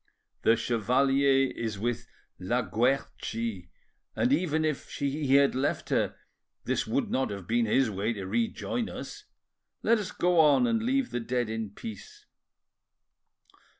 "The chevalier is with La Guerchi, and even if he had left her this would not have been his way to rejoin us. Let us go on and leave the dead in peace."